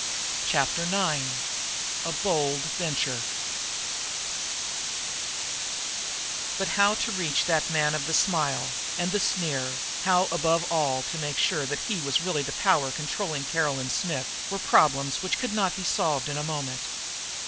Chapter Nine A Bold Venture But how to reach that man of the smile and the sneer, how, above all, to make sure that he was really the power controlling Caroline Smith, were problems which could not be solved in a moment.